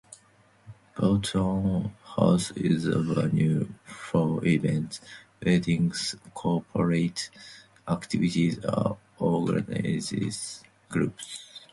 Boughton House is a venue for events, weddings, corporate activities and organised groups.